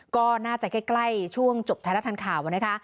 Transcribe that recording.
ก็น่าจะใกล้ช่วงจบไทยรัฐทันข่าวนะคะ